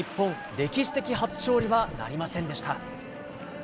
歴史的初勝利はなりませんでした。